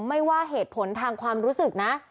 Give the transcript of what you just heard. ว่าเหตุผลทางความรู้สึกนะ